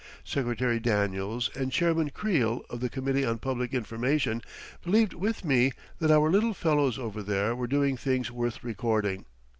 Secretary Daniels and Chairman Creel of the Committee on Public Information believed with me that our little fellows over there were doing things worth recording.